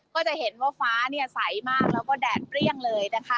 ก็จะเห็นว่าฟ้าใสมากแล้วก็แดดเปรี้ยงเลยนะคะ